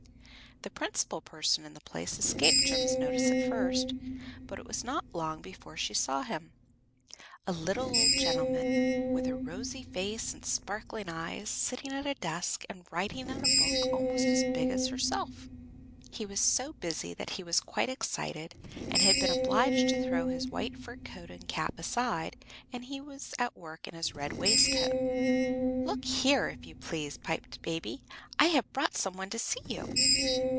The principal person in the place escaped Jem's notice at first; but it was not long before she saw him, a little old gentleman, with a rosy face and sparkling eyes, sitting at a desk, and writing in a book almost as big as himself. He was so busy that he was quite excited, and had been obliged to throw his white fur coat and cap aside, and he was at work in his red waistcoat. "Look here, if you please," piped Baby, "I have brought some one to see you."